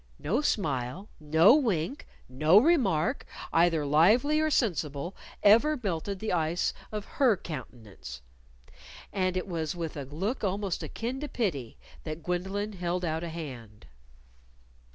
No smile, no wink, no remark, either lively or sensible, ever melted the ice of her countenance. And it was with a look almost akin to pity that Gwendolyn held out a hand.